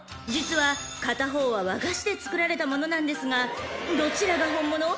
［実は片方は和菓子で作られたものなんですがどちらが本物？